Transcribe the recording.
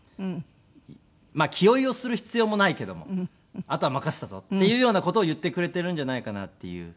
まあ気負いをする必要もないけどもあとは任せたぞっていうような事を言ってくれているんじゃないかなっていう。